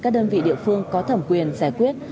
các đơn vị địa phương có thẩm quyền giải quyết